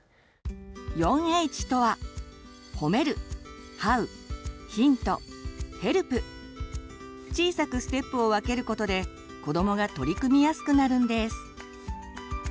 ４Ｈとは小さくステップを分けることで子どもが取り組みやすくなるんです。